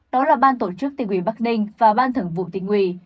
đó là ban tổ chức tình huy bắc ninh và ban thưởng vụ tình huy